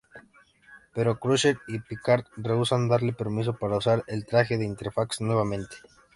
Pero Crusher y Picard rehúsan darle permiso para usar el traje de interfaz nuevamente.